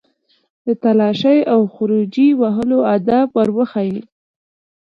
د تالاشۍ او خروجي وهلو آداب ور وښيي.